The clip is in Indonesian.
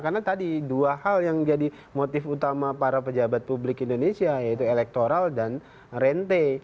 karena tadi dua hal yang jadi motif utama para pejabat publik indonesia yaitu elektoral dan rente